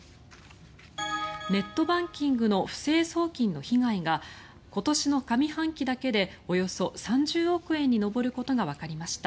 ネットバンキングの不正送金の被害が今年の上半期だけでおよそ３０億円に上ることがわかりました。